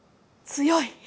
強い。